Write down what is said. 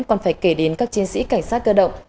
còn phải kể đến các chiến sĩ cảnh sát cơ động